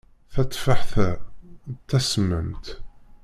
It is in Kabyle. Tateffaḥt-a d tasemmamt.